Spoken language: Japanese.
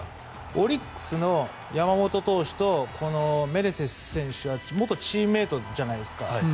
オリックスの山本投手とこのメネセス選手は元チームメートじゃないですか。